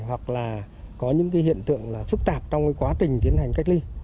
hoặc là có những hiện tượng phức tạp trong quá trình tiến hành cách ly